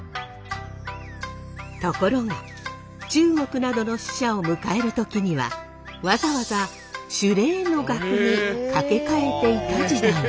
ところが中国などの使者を迎える時にはわざわざ守礼の額にかけかえていた時代も。